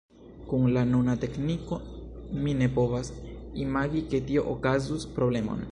Kun la nuna tekniko, mi ne povas imagi, ke tio okazigus problemon!